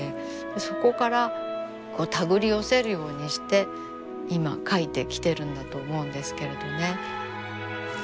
そこからこう手繰り寄せるようにして今描いてきてるんだと思うんですけれどね。